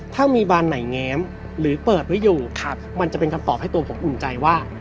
ถ้ามีบานไหนแง้มหรือเปิดไว้อยู่มันจะเป็นคำตอบให้ตัวผมอุ่นใจว่า